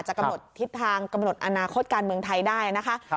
กำหนดทิศทางกำหนดอนาคตการเมืองไทยได้นะคะ